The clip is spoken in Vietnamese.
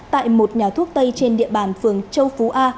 tại một nhà thuốc tây trên địa bàn phường châu phú a